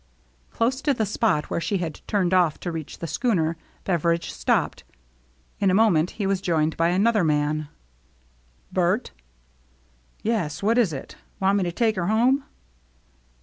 Close to the spot where she had turned off to reach the schooner Beveridge stopped. In a moment he was joined by another man. "Bert?" " Yes. What is it ? Want me to take her home?"